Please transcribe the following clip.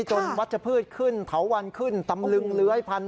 วัชพืชขึ้นเถาวันขึ้นตำลึงเลื้อยพัน